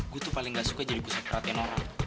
gue tuh paling gak suka jadi pusat perhatian orang